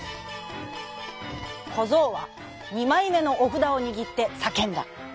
こぞうはにまいめのおふだをにぎってさけんだ。